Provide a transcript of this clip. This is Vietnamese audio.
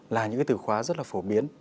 là những cái từ khóa rất là phổ biến